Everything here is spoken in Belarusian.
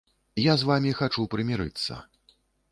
Я з вамі хачу прымірыцца.